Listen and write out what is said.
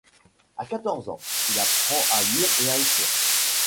À quatorze ans, il apprend à lire et à écrire.